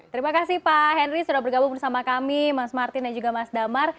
terima kasih pak henry sudah bergabung bersama kami mas martin dan juga mas damar